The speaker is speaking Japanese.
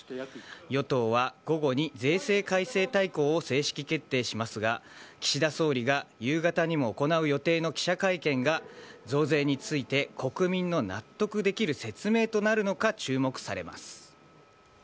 与党は午後に税制改正大綱を正式決定しますが岸田総理が夕方にも行う予定の記者会見が増税について国民の納得できる説明となるのか注目されます。